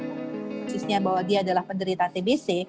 khususnya bahwa dia adalah penderita tbc